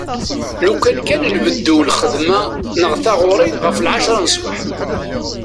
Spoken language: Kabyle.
Lukan kan nbeddu lxedma neɣ taɣuri ɣef lɛecra n sbeḥ.